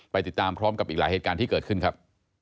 ติดตามพร้อมกับอีกหลายเหตุการณ์ที่เกิดขึ้นครับ